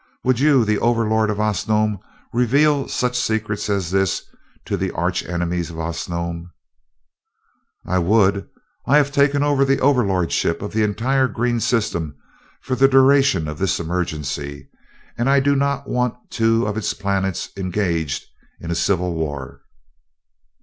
"Would you, the Overlord of Osnome, reveal such secrets as this to the arch enemies of Osnome?" "I would. I have taken over the Overlordship of the entire green system for the duration of this emergency, and I do not want two of its planets engaged in civil war."